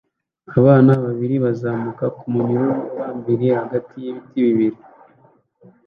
Abana babiri bazamuka ku munyururu uhambiriye hagati y'ibiti bibiri